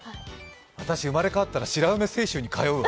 私、生まれ変わったら白梅学園清修に通うわ。